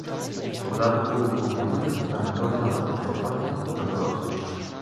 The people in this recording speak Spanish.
El poblado tuvo como nombre San Antonio Abad del Páramo de los Dolores.